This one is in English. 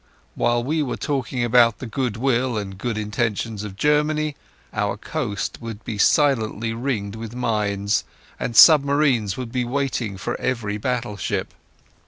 While we were talking about the goodwill and good intentions of Germany our coast would be silently ringed with mines, and submarines would be waiting for every battleship.